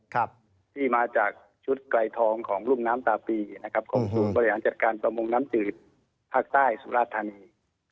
ครับที่มาจากชุดไกลทองของรุ่มน้ำตาปีนะครับของศูนย์บริหารจัดการประมงน้ำจืดภาคใต้สุราธานี